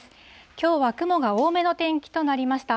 きょうは雲が多めの天気となりました。